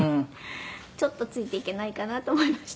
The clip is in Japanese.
「ちょっとついていけないかなと思いまして」